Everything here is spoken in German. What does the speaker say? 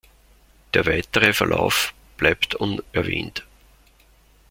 Der weitere Verlauf bleibt unerwähnt.